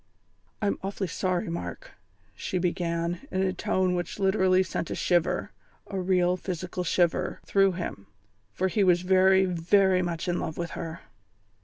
"I'm awfully sorry, Mark," she began, in a tone which literally sent a shiver a real physical shiver through him, for he was very, very much in love with her.